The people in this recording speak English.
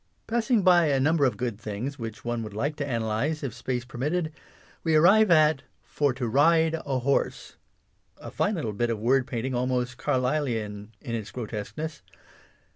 Passing by a number of good things which one would like to analyse if space permitted, we arrive at " For to ride a horse," a fine little bit of word painting almost Car xil Introduction. lylean in its grotesqueness.